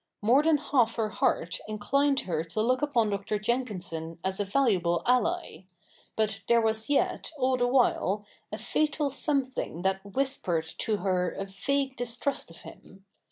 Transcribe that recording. More than half her heart inclined her to look upon Dr. Jenkinson as a valuable ally ; but there was yet, all the while, a fatal something that whispered to her a vague distrust of him.